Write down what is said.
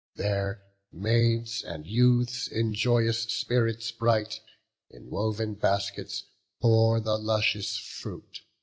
There maids and youths, in joyous spirits bright, In woven baskets bore the luscious fruit.